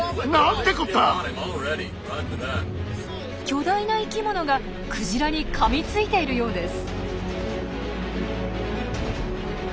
巨大な生きものがクジラにかみついているようです。